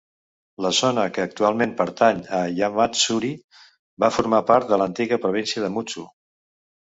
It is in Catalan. La zona que actualment pertany a Yamatsuri va formar part de l'antiga província de Mutsu.